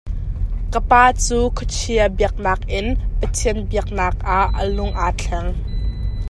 Ka pa cu khuachia biaknak in Pathian biaknak ah a lung aa thleng.